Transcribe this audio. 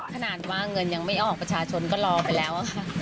ขนาดว่าเงินยังไม่ออกประชาชนก็รอไปแล้วค่ะ